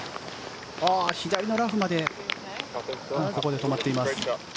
左のラフまでここで止まっています。